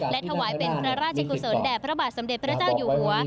และถวายเป็นพระราชกุศลแด่พระบาทสมเด็จพระเจ้าอยู่หัว